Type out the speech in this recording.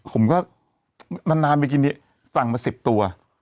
ผมก็นานไปกินนี้สั่งมา๑๐ตัว